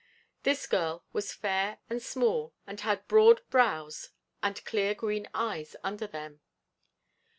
This girl was fair and small, and had broad brows and clear green eyes under them.